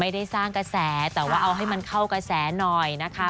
ได้สร้างกระแสแต่ว่าเอาให้มันเข้ากระแสหน่อยนะคะ